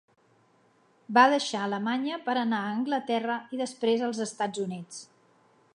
Va deixar Alemanya per anar a Anglaterra i després als Estats Units.